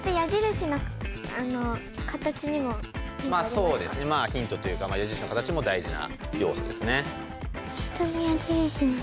そうですねヒントというか矢印の形も大事な要素ですね。